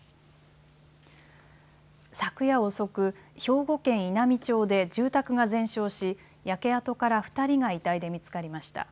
昨夜遅く、兵庫県稲美町で住宅が全焼し、焼け跡から２人が遺体で見つかりました。